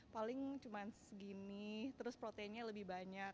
paling cuma segini terus proteinnya lebih banyak